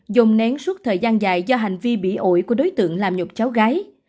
dồn nén suốt thời gian dài do hành vi bị ổi của đối tượng làm nhục cháu gái